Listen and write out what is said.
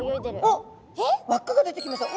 おっ輪っかが出てきました。